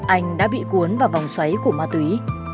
anh đã bị cuốn vào vòng xoáy của ma túy